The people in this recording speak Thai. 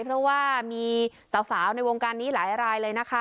เพราะว่ามีสาวในวงการนี้หลายรายเลยนะคะ